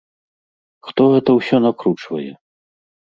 Хто гэта ўсё накручвае?